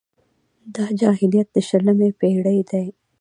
دا جاهلیت د شلمې پېړۍ دی.